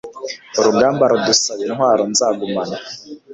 urugamba, rudusaba intwaro nzagumana